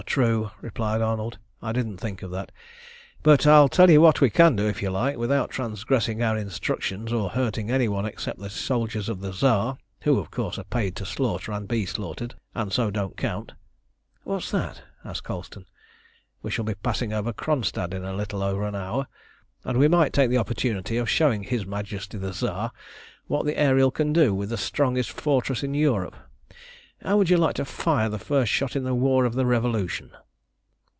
"True," replied Arnold; "I didn't think of that; but I'll tell you what we can do, if you like, without transgressing our instructions or hurting any one except the soldiers of the Tsar, who, of course, are paid to slaughter and be slaughtered, and so don't count." "What is that?" asked Colston. "We shall be passing over Kronstadt in a little over an hour, and we might take the opportunity of showing his Majesty the Tsar what the Ariel can do with the strongest fortress in Europe. How would you like to fire the first shot in the war of the Revolution?"